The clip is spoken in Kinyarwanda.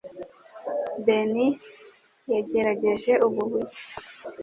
Benie yagerageje ubu buryo.